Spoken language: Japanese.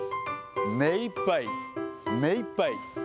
めいっぱい、めいっぱい。